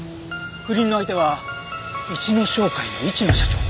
不倫の相手は市野商会の市野社長？